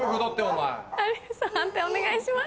判定お願いします。